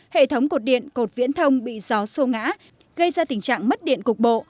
hệ thống cột điện cột viễn thông bị gió sô ngã gây ra tình trạng mất điện cục bộ